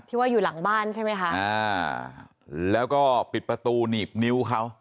ว่าอยู่หลังบ้านใช่ไหมคะอ่าแล้วก็ปิดประตูหนีบนิ้วเขา